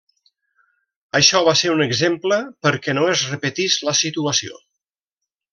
Això va ser un exemple perquè no es repetís la situació.